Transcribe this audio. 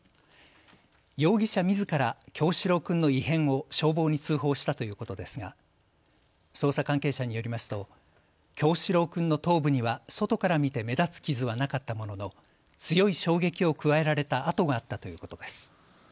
容疑者みずから叶志郎くんの異変を消防に通報したということですが捜査関係者によりますと叶志郎くんの頭部には外から見て目立つ傷はなかったものの強い衝撃を加えられた痕があったということです。